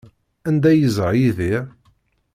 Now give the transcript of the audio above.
Anda ay yeẓra Yidir?